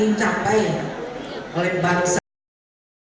yang diselenggarakan di salah satu restoran di buncit raya jakarta selatan